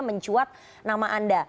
mencuat nama anda